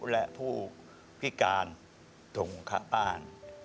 และผู้พิการทงคาบ้าน